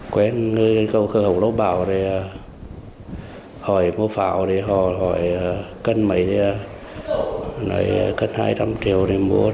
quen người cơ hội đó bảo hỏi mua pháo hỏi cân mấy cân hai trăm linh triệu để mua